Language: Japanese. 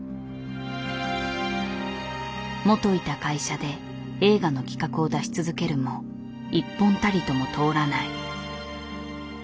もといた会社で映画の企画を出し続けるも一本たりとも通らない。